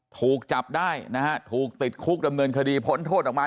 ถูกจับได้นะฮะถูกติดคุกดำเนินคดีผลโทษออกมา